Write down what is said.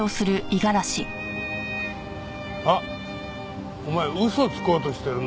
あっお前嘘つこうとしてるな。